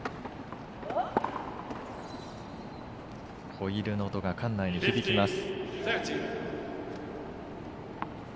ホイールの音が館内に響きます。